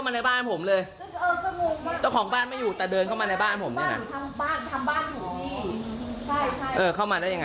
มาจากไหนเนี่ยผมผมดูในกล้อง